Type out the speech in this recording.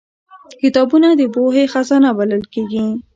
کتابونه د پوهې خزانه بلل کېږي